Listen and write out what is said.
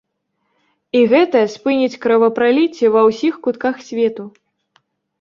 І гэта спыніць кровапраліцце ва ўсіх кутках свету!